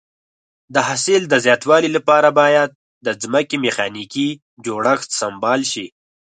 د حاصل د زیاتوالي لپاره باید د ځمکې میخانیکي جوړښت سمبال شي.